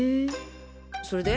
それで？